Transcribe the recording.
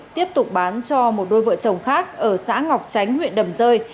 tiếp tục bán cho một đôi vợ chồng khác ở xã ngọc tránh huyện đầm rơi